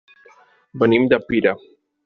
Venim de Pira.